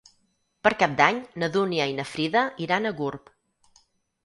Per Cap d'Any na Dúnia i na Frida iran a Gurb.